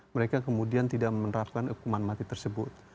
mereka kemudian tidak menerapkan hukuman mati tersebut